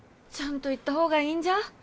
ちゃんと言った方がいいんじゃ？